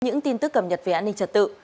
những tin tức cập nhật về an ninh trật tự